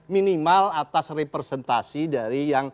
minimal atas representasi dari yang